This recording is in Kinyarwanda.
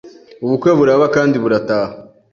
ubukwe buraba kandi burataha